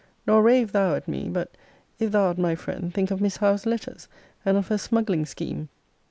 Nor rave thou at me; but, if thou art my friend, think of Miss Howe's letters, and of her smuggling scheme.